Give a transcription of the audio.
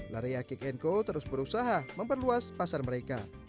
larea kekenko terus berusaha memperluas pasar mereka